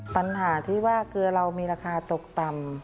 ปัญหาที่ว่าเกลือเรามีราคาตกต่ำ